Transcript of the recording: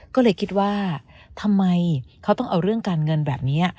ก็เลยคิดว่าทำไมเขาต้องเอาเรื่องการเงินแบบนี้